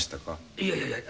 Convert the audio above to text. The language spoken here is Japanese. いやいやいやいや。